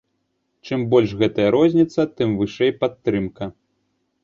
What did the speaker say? Чым больш гэтая розніца, тым вышэй падтрымка.